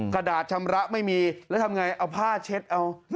กระดาษชำระไม่มีแล้วทำไงเอาผ้าเช็ดเอา